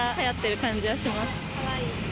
かわいい。